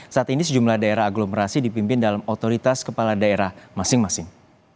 saat ini sejumlah daerah aglomerasi dipimpin dalam otoritas kepala daerah masing masing